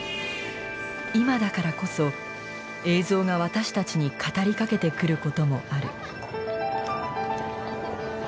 今だからこそ映像が私たちに語りかけてくることもある。